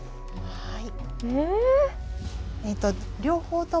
はい。